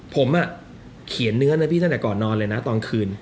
ผมเขียนเนื้อนะพี่ตั้งแต่ก่อนนอนเลยนะตอนคืน